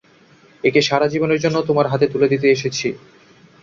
একে সাড়া জীবনের জন্য তোমার হাতে তুলে দিতে এসেছি।